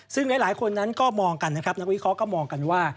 ซึ่งหลายคนนั้นก็มองกันนะครับนักวิเคราะห์ก็มองกันว่า